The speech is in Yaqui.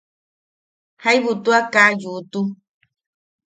Jaibu tua kaa a yuutu.